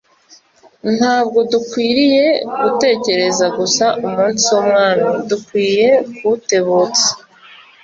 Ntabwo dukwiriye gutegereza gusa umunsi w'Umwami, dukwiye kuwutebutsa'.